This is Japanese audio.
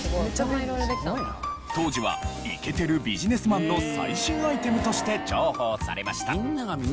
当時はイケてるビジネスマンの最新アイテムとして重宝されました。